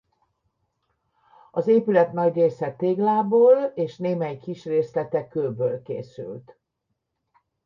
Az épület nagy része téglából és némely kis részlete kőből készült.